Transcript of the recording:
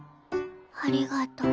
ありがとう。